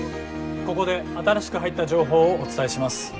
ここで新しく入った情報をお伝えします。